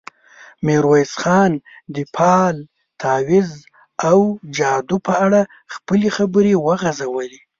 ميرويس خان د فال، تاويذ او جادو په اړه خپلې خبرې وغځولې.